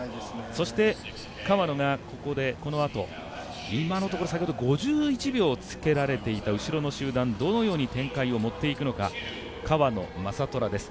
そして、川野がここでこのあと、今のところ５１秒をつけられていた後ろの集団どのように展開を持って行くのか川野将虎です。